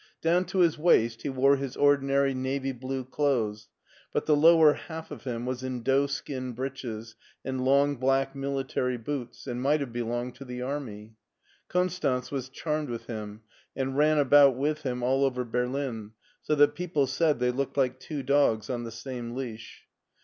Down to his waist he wore his ordinary navy blue clothes, but the lower half of him was in doeskin breeches and long black military boots and might have belonged to the army. Konstanz was charmed with him and ran about with him all over Berlin, so that people said they looked like two dogs on the same leash.